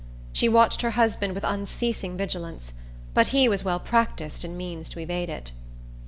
She watched her husband with unceasing vigilance; but he was well practised in means to evade it.